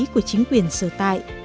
của chính quyền sở tại